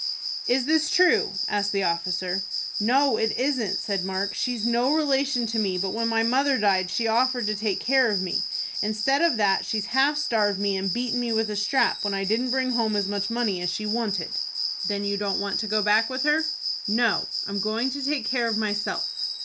"Is this true?" asked the officer. "No, it isn't," said Mark. "She's no relation to me, but when my mother died she offered to take care of me. Instead of that she's half starved me, and beaten me with a strap when I didn't bring home as much money as she wanted." "Then you don't want to go back with her?" "No, I'm going to take care of myself."